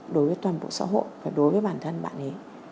đối với toàn bộ xã hội và đối với bản thân bạn ấy